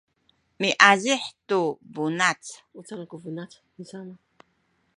miazih tu bunac